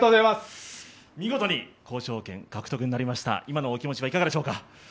見事に交渉権獲得になりました、今のお気持ちいかがでしょうか